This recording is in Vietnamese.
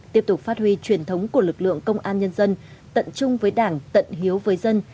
tiếp tục phát huy truyền thống của lực lượng công an nhân dân tận chung với đảng tận hiếu với dân